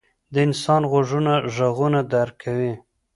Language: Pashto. • د انسان غوږونه ږغونه درک کوي.